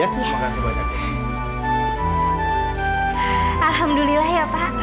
alhamdulillah ya pak